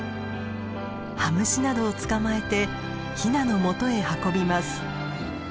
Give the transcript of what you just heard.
羽虫などを捕まえてヒナのもとへ運びます。